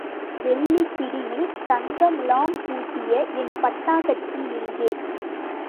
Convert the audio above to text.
வெள்ளிப் பிடியில் தங்கமுலாம் பூசிய என் பட்டாக்கத்தி எங்கே?